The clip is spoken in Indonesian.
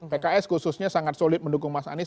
pks khususnya sangat solid mendukung mas anies